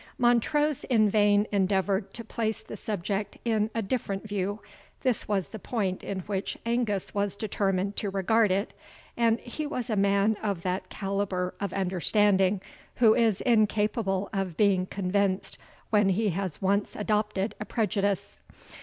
Montrose in vain endeavoured to place the subject in a different view; this was the point in which Angus was determined to regard it, and he was a man of that calibre of understanding, who is incapable of being convinced when he has once adopted a prejudice.